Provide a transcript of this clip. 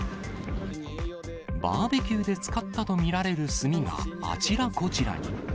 バーベキューで使ったと見られる炭が、あちらこちらに。